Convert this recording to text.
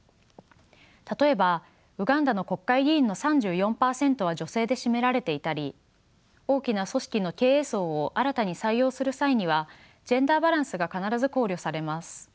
例えばウガンダの国会議員の３４％は女性で占められていたり大きな組織の経営層を新たに採用する際にはジェンダーバランスが必ず考慮されます。